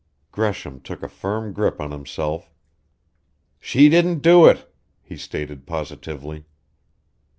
Gresham took a firm grip on himself. "She didn't do it," he stated positively.